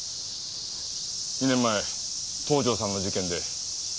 ２年前東条さんの事件で。